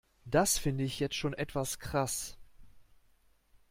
Das finde ich jetzt schon etwas krass.